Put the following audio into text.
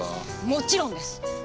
もちろんです。